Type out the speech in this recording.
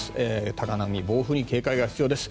高波、暴風に警戒が必要です。